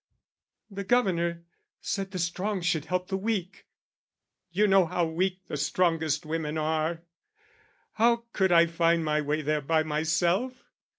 "The Governor said the strong should help the weak: "You know how weak the strongest women are. "How could I find my way there by myself?